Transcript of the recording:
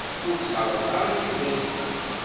Ur ttxalaḍ ara widak.